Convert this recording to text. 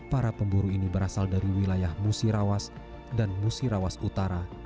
para pemburu ini berasal dari wilayah musirawas dan musirawas utara